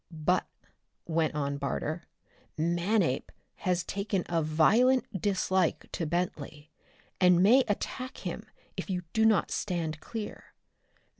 "But," went on Barter, "Manape has taken a violent dislike to Bentley, and may attack him if you do not stand clear.